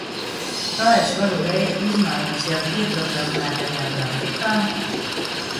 Kā es varu veikt izmaiņas jau ieprogrammētajā grafikā?